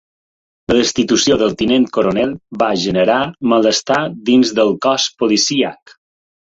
La destitució del tinent coronel va generar malestar dins del cos policíac.